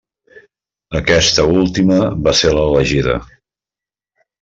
Aquesta última va ser l'elegida.